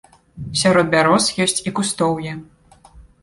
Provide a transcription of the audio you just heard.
Сярод бяроз ёсць і кустоўі.